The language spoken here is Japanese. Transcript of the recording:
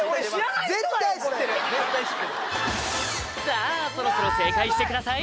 絶対知ってるさあそろそろ正解してください